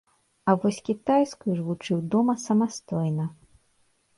А вось кітайскую ж вучыў дома самастойна.